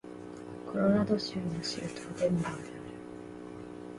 コロラド州の州都はデンバーである